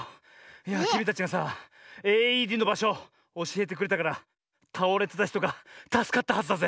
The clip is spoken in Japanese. いやきみたちがさＡＥＤのばしょおしえてくれたからたおれてたひとがたすかったはずだぜ。